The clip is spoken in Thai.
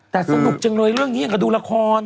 แต่สนุกจังเลยเรื่องนี้อย่างกับดูละคร